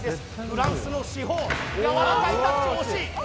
フランスの至宝やわらかいタッチ惜しい！